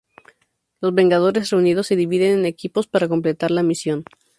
Los Vengadores reunidos se dividen en equipos para completar la misión.